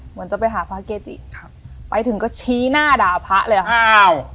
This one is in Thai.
เหมือนจะไปหาพระเกจิครับไปถึงก็ชี้หน้าด่าพระเลยค่ะอ้าว